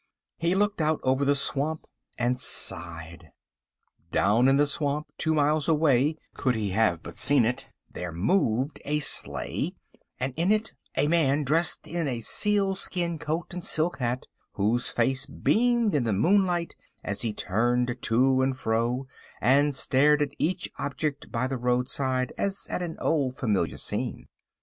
He looked out over the swamp and sighed. Down in the swamp, two miles away, could he have but seen it, there moved a sleigh, and in it a man dressed in a sealskin coat and silk hat, whose face beamed in the moonlight as he turned to and fro and stared at each object by the roadside as at an old familiar scene.